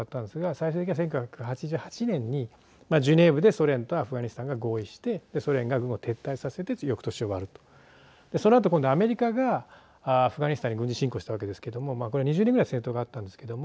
最終的には、１９８８年にジュネーブでソ連とアフガニスタンが合意してソ連が軍を撤退させて翌年終わるとそのあとアメリカがアフガニスタンに軍事侵攻したわけですけどもこれ２０年くらい戦闘があったんですけど